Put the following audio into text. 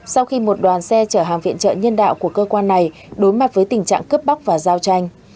sau khi một đoàn xe chở hàng viện trợ nhân đạo của cơ quan này đối mặt với tình trạng cướp bóc và giao tranh